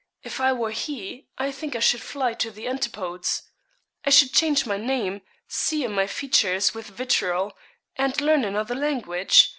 If I were he, I think I should fly to the antipodes. I should change my name, sear my features with vitriol, and learn another language.